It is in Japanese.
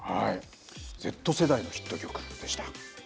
Ｚ世代のヒット曲でした。